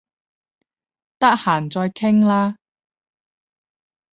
得閒再傾啦